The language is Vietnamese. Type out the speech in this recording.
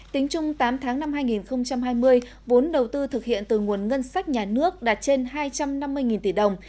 tính chung tám tháng năm hai nghìn hai mươi vốn đầu tư thực hiện từ nguồn ngân sách nhà nước đạt trên hai trăm năm mươi tỷ đồng